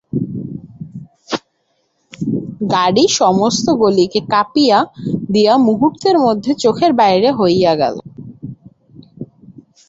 গাড়ি সমস্ত গলিকে কাঁপাইয়া দিয়া মুহূর্তের মধ্যেই চোখের বাহির হইয়া গেল।